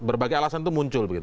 berbagai alasan itu muncul